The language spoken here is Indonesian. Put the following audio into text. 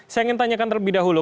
saya ingin tanyakan terlebih dahulu